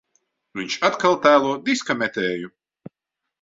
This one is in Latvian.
Viņš atkal tēlo diska metēju.